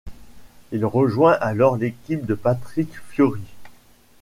Il rejoint alors l'équipe de Patrick Fiori.